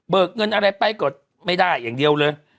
เงินอะไรไปก็ไม่ได้อย่างเดียวเลย